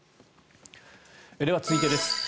では、続いてです。